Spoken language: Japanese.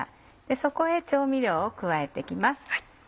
そこへ調味料を加えて行きます。